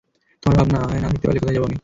তোমার ভাবনায় না থাকতে পারলে কোথায় যাব আমি?